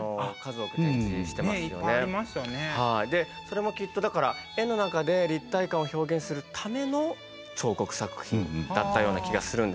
でそれもきっとだから絵の中で立体感を表現するための彫刻作品だったような気がするんですが。